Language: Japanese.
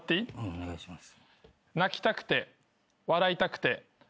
お願いします。